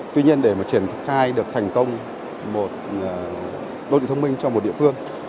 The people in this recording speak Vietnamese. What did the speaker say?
tuy nhiên để triển khai được thành công một đô thị thông minh trong một địa phương